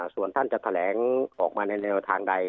ส่วนท่านจะแถลงออกมาในแนวทางใด